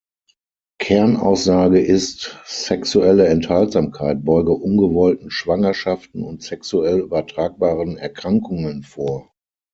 Kernaussage ist, sexuelle Enthaltsamkeit beuge ungewollten Schwangerschaften und sexuell übertragbaren Erkrankungen vor.